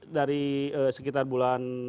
dari sekitar bulan